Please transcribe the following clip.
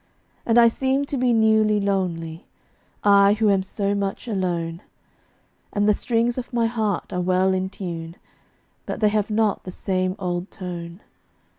And I seem to be newly lonely I, who am so much alone; And the strings of my heart are well in tune, But they have not the same old tone.